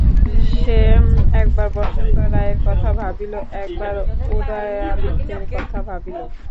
সে একবার বসন্ত রায়ের কথা ভাবিল, একবার উদয়াদিত্যের কথা ভাবিল।